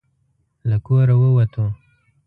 له کوره ووتو.